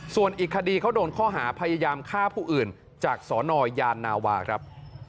ส่วนอีกคดีเขาโดนข้อหาพยายามฆ่าผู้อื่นจากสนยานนาวาครับ